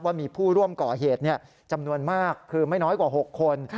ว่ามีผู้ร่วมก่อเหตุจำนวนมากคือไม่น้อยกว่า๖คน